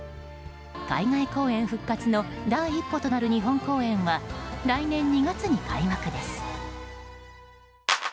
海外公演復活の第一歩となる日本公演は来年２月に開幕です。